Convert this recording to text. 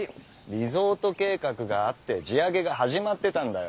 リゾート計画があって地上げが始まってたんだよ。